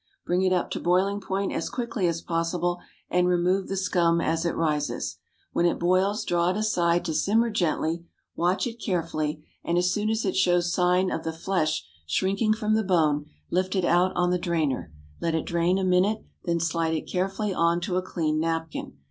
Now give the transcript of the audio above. Bring it up to boiling point as quickly as possible, and remove the scum as it rises. When it boils draw it aside to simmer gently, watch it carefully, and as soon as it shows signs of the flesh shrinking from the bone, lift it out on the drainer, let it drain a minute, then slide it carefully on to a clean napkin.